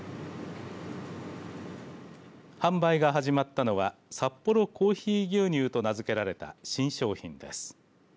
販売が始まったのはさっぽろコーヒー牛乳と名付けられた新商品です。